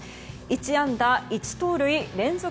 １安打１盗塁連続